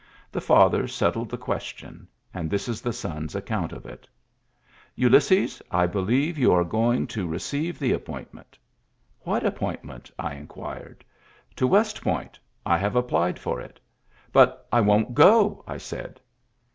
The father settled the ques tion ; and this is the son's account of it : "Ulysses, I believe you are going to re ceive the appointment. — What appoint ment t I inquired. — To "West Point I have applied for it. — But I won't go, I said.